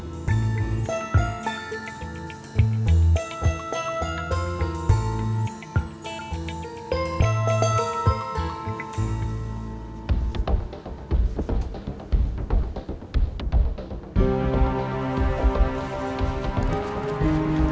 tidak ada yang bisa dihukum